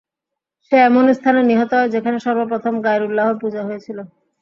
সে এমন স্থানে নিহত হয়, যেখানে সর্বপ্রথম গায়রুল্লাহর পূজা হয়েছিল।